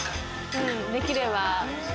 うん、できれば。